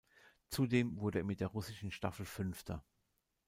Zudem wurde er mit der russischen Staffel Fünfter.